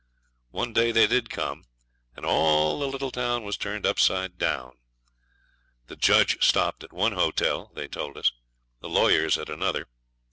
One day they did come, and all the little town was turned upside down. The judge stopped at one hotel (they told us); the lawyers at another.